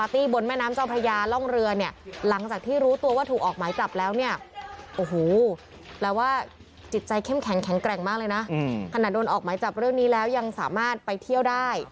ขณะโดนออกหมายจับเรื่องนี้แล้วยังสามารถไปเที่ยวได้